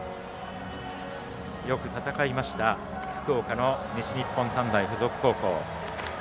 よく戦いました福岡の西日本短大付属高校。